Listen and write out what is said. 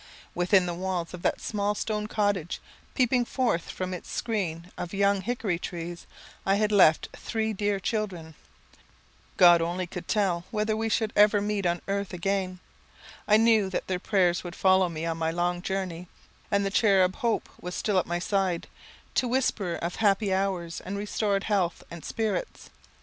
Within the walls of that small stone cottage, peeping forth from its screen of young hickory trees, I had left three dear children, God only could tell whether we should ever meet on earth again: I knew that their prayers would follow me on my long journey, and the cherub Hope was still at my side, to whisper of happy hours and restored health and spirits.